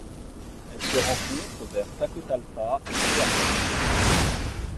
Elle se rencontre vers Tacotalpa et Teapa.